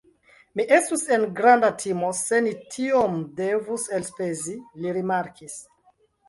Mi estus en granda timo, se ni tiom devus elspezi, li rimarkis.